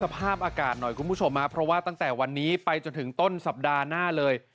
สภาพอากาศหน่อยคุณผู้ชมฮะเพราะว่าตั้งแต่วันนี้ไปจนถึงต้นสัปดาห์หน้าเลย